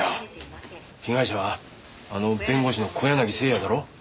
被害者はあの弁護士の小柳征矢だろ？